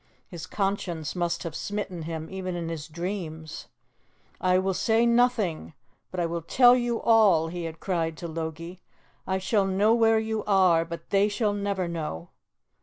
His conscience must have smitten him even in his dreams. "I will say nothing, but I will tell you all!" he had cried to Logie. "I shall know where you are, but they shall never know!"